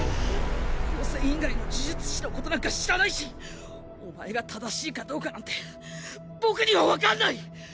高専以外の呪術師のことなんか知らないしお前が正しいかどうかなんて僕には分かんない！